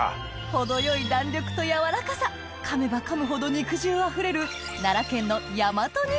程よい弾力と軟らかさかめばかむほど肉汁あふれるうわ